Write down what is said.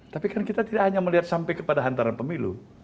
tapi kan kita tidak hanya melihat sampai kepada hantaran pemilu